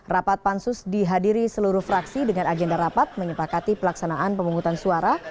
rapat pansus dihadiri seluruh fraksi dengan agenda rapat menyepakati pelaksanaan pemungutan suara